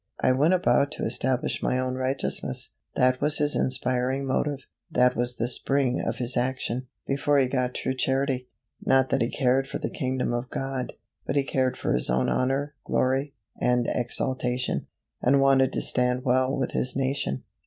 "I went about to establish my own righteousness." That was his inspiring motive; that was the spring of his action, before he got true Charity; not that he cared for the kingdom of God, but he cared for his own honor, glory, and exaltation, and wanted to stand well with his nation.